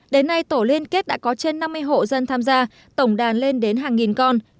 đến nay tổ liên kết đã có trên năm mươi hộ dân tham gia tổng đàn lên đến hàng nghìn con